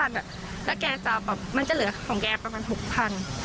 แล้วแกจะแบบมันจะเหลือของแกประมาณ๖๐๐บาท